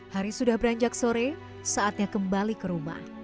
hari sudah beranjak sore saatnya kembali kerumah